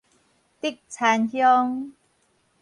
竹田鄉